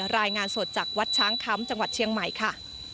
รายงานสดจากวัดช้างคำจังหวัดเชียงใหม่ค่ะ